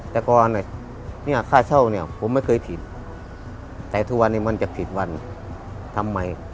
แต่ก่อนเนี่ยค่าเช่าเนี่ยผมไม่เคยผิดแต่ทุกวันนี้มันจะผิดวันทำไม